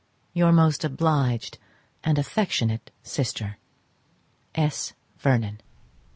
Your most obliged and affectionate sister, S. VERNON.